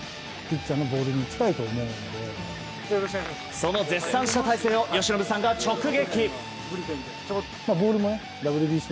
その絶賛した大勢を由伸さんが直撃。